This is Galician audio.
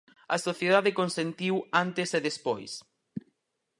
A sociedade consentiu antes e despois.